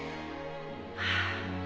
はあ。